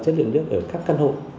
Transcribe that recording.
với ban quản trị tòa nhà